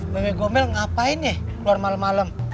wewe gombel ngapain nih keluar malem malem